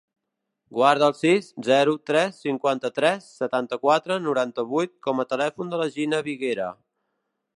Guarda el sis, zero, tres, cinquanta-tres, setanta-quatre, noranta-vuit com a telèfon de la Gina Viguera.